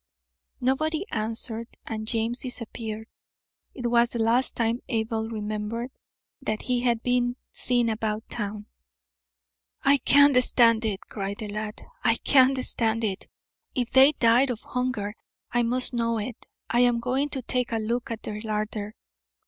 Nobody answered, and James disappeared. It was the last time, Abel remembered, that he had been seen about town. "I can't stand it," cried the lad. "I can't stand it. If they died of hunger I must know it. I am going to take a look at their larder."